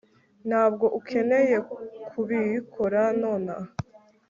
ntabwo ukeneye kubikora nonaha